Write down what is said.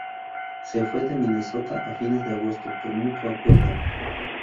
Se fue de Minnesota a fines de agosto por mutuo acuerdo.